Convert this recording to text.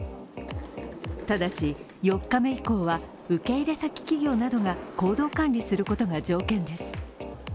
ただし、４日目以降は受け入れ先企業などが行動管理することが条件です。